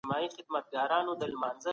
دوی د محمد داوود خان لپاره تاريخ ونړاوه.